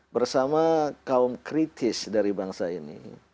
bersama kaum kritis dari bangsa ini